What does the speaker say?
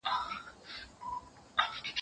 گيدړي ته خپل پوست بلا دئ.